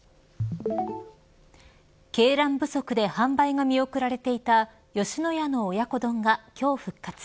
鶏卵不足で販売が見送られていた吉野家の親子丼が今日復活。